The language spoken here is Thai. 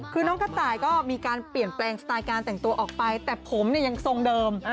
คือน้องกระต่ายก็มีการเปลี่ยนแปลงสไตล์การแต่งตัวออกไปแต่ผมเนี่ยยังทรงเดิม